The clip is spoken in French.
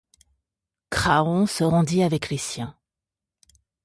Craon se rendit avec les siens.